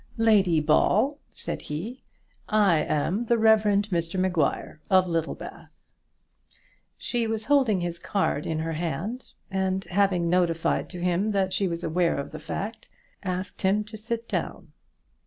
"Lady Ball," said he, "I am the Rev. Mr Maguire, of Littlebath." She was holding his card in her hand, and having notified to him that she was aware of the fact he had mentioned, asked him to sit down.